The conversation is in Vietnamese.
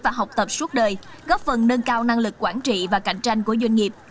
và học tập suốt đời góp phần nâng cao năng lực quản trị và cạnh tranh của doanh nghiệp